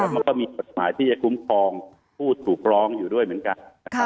มันก็มีกฎหมายที่จะคุ้มครองผู้ถูกร้องอยู่ด้วยเหมือนกัน